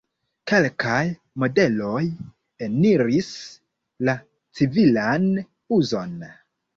Kelkaj modeloj eniris la civilan uzon.